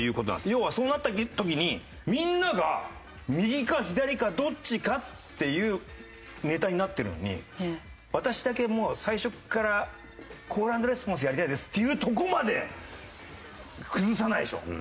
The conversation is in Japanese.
要はそうなった時にみんなが右か左かどっちかっていうネタになってるのに私だけもう最初からコールアンドレスポンスやりたいですっていうとこまで崩さないでしょ？